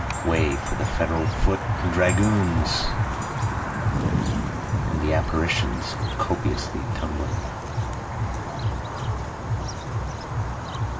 Way for the Federal foot and dragoons, (and the apparitions copiously tumbling.)